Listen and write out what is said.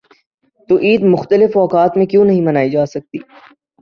تو عید مختلف اوقات میں کیوں نہیں منائی جا سکتی؟